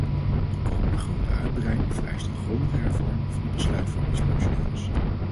De komende grote uitbreiding vereist een grondige hervorming van de besluitvormingsprocedures.